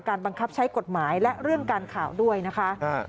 บังคับใช้กฎหมายและเรื่องการข่าวด้วยนะคะ